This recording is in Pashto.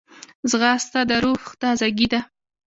ځغاسته د روح تازګي ده